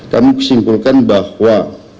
kami kesimpulkan bahwa